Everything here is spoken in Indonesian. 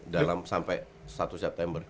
dalam sampai satu september